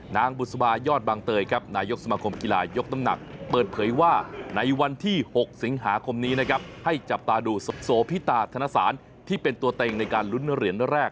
บุษบายอดบางเตยครับนายกสมาคมกีฬายกน้ำหนักเปิดเผยว่าในวันที่๖สิงหาคมนี้นะครับให้จับตาดูโสพิตาธนสารที่เป็นตัวเต็งในการลุ้นเหรียญแรก